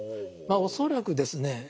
恐らくですね